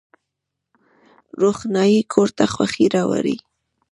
روښنايي کور ته خوښي راوړي